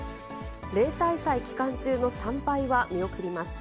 例大祭期間中の参拝は見送ります。